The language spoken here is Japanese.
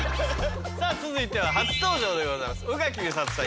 さあ続いては初登場でございます宇垣美里さん